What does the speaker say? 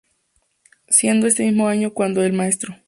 Siendo este mismo año cuando el Mtro.